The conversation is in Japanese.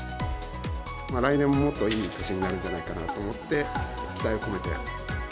来年もっといい年になるんじゃないかなと思って、期待を込めて。